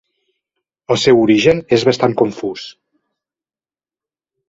El seu origen és bastant confús.